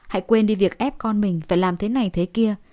hãy quên đi việc ép con mình phải làm thế này thế kia